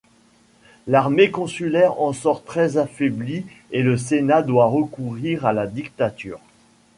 L'armée consulaire en sort très affaiblie et le Sénat doit recourir à la dictature.